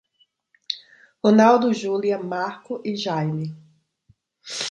Ronaldo, Júlia, Marco e Jaime